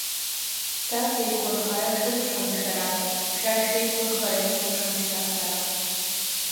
Са сеиқәырхара шәылшом шәара, шәа шәеиқәырхарагь сылшом шьҭа сара.